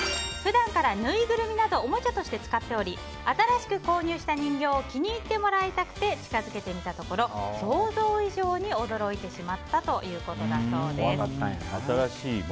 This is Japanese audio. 普段からぬいぐるみなどをおもちゃとして使っており新しく購入した人形を気に入ってもらいたくて近づけてみたところ想像以上に驚いてしまったということです。